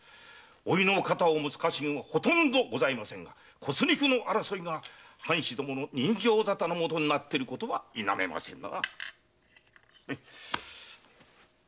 甥の肩を持つ家臣はほとんどございませんが骨肉の争いが藩士の刃傷沙汰のもとであることは否めませぬな。